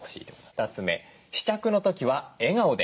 ２つ目試着の時は笑顔で。